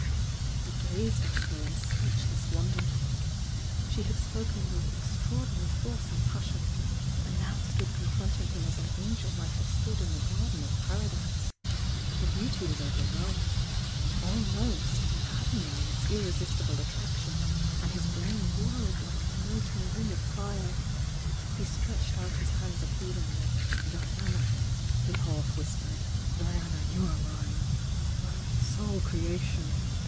He gazed a^ her in speechless wonderment. Sh« had spoken with extraordinary force and passion, and now stood confronting him as an angel might have stood in the Garden of Paradise. Her beauty was overwhelming — almost maddening in its irre sistible attraction, and his brain whirled like a mote in a ring of fire. He stretched out his hands appeal ingly: "Diana!" he half whispered — "Diana, you are mine! — my sole creation!"